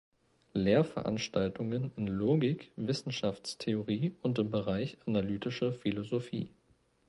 Lehrveranstaltungen in Logik, Wissenschaftstheorie und im Bereich analytische Philosophie.